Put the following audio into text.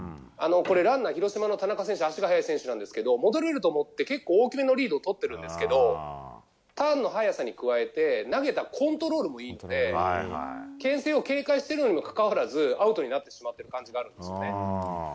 ランナーは広島の田中選手足が速い選手なんですけど戻れると思って結構大きめのリードをとってるんですけどターンの速さに加えて投げたコントロールもいいので牽制を警戒しているにもかかわらずアウトになってしまってる感じがあるんですよね。